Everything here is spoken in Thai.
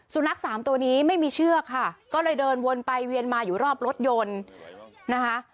สุนัขสามตัวนี้ไม่มีเชือกค่ะก็เลยเดินวนไปเวียนมาอยู่รอบรถยนต์นะคะ